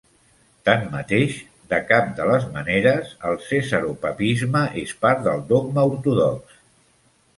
Tanmateix, de cap de les maneres el cesaropapisme és part del dogma ortodox.